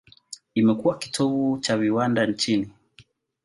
Imekuwa kitovu cha viwanda nchini.